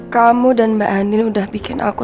kamu dan mbak hanil udah bikin aku